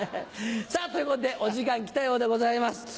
さぁということでお時間来たようでございます。